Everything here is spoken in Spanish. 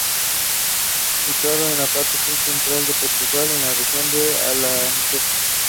Situado en la parte Sur Central de Portugal, en la región de Alentejo.